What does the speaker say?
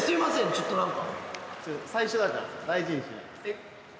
ちょっと何か。